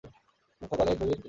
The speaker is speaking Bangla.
মূখ্য পালের দড়ি টেনে ধরো।